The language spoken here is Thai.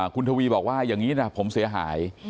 คุณทวีบอกว่าอย่างนี้นะผมเสียหาย